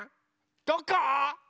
どこ？